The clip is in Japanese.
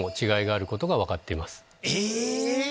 え！